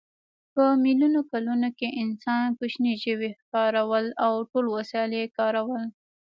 په میلیونو کلونو کې انسان کوچني ژوي ښکارول او ټول وسایل یې کارول.